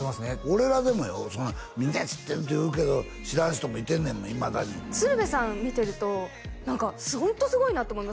俺らでもよ「みんな知ってる」って言うけど知らん人もいてんねんもんいまだに鶴瓶さん見てると何かホントすごいなって思います